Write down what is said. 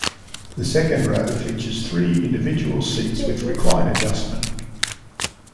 The second row features three individual seats with recline adjustment.